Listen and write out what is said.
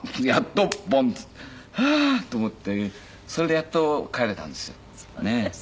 はあーと思ってそれでやっと帰れたんですよ。